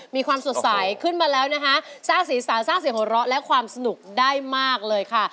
มีความสดใสขึ้นมาแล้วนะคะสร้างสีสันสร้างเสียงหัวเราะและความสนุกได้มากเลยค่ะ